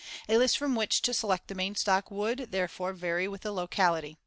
A list from which to select the main stock would, therefore, vary with the locality.